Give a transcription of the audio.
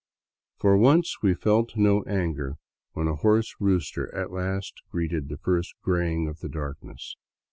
For once we felt no anger when a hoarse rooster at last greeted the first graying of the darkness.